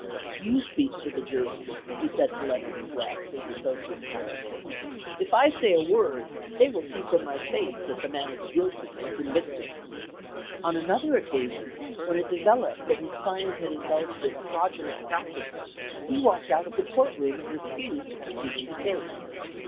"You speak to the jury," he said to Leonard Swett, his associate counsel; 238 LEGAL ETHICS "if I say a word, they will see from my face that the man is guilty and convict him." On another occasion, when it developed that his client had in dulged in fraudulent practices, he walked out of the court room and refused to continue the case.